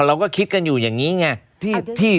เราก็คิดกันอยู่อย่างนี้ไง